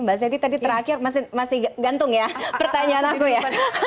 mbak sedi tadi terakhir masih gantung ya pertanyaan aku ya